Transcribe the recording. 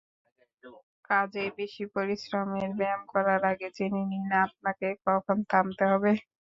কাজেই বেশি পরিশ্রমের ব্যায়াম করার আগে জেনে নিন, আপনাকে কখন থামতে হবে।